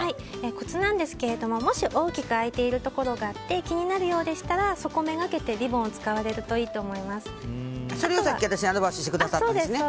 コツなんですけれどももし、大きく空いているところがあって気になるようでしたらそこ目がけてリボンを使われるとそれをさっき私にアドバイスしてくださったんですね。